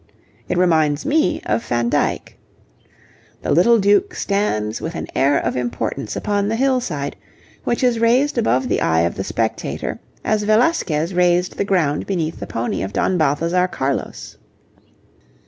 It reminds me of Van Dyck. The little duke stands with an air of importance upon the hillside, which is raised above the eye of the spectator as Velasquez raised the ground beneath the pony of Don Balthazar Carlos.